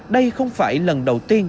đây không phải lần đầu tiên